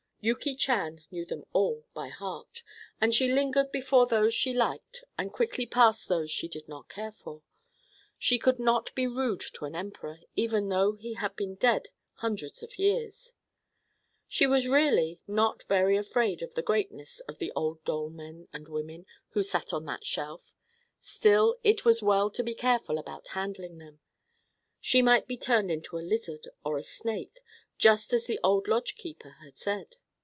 Yuki Chan knew them all by heart, and she lingered before those she liked and quickly passed those she did not care for. She could not be rude to an emperor, even though he had been dead hundreds of years. She was really not very afraid of the greatness of the old doll men and women who sat on the shelf, still it was well to be careful about handling them. She might be turned into a lizard or a snake, just as the old lodge keeper had said.